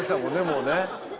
もうね。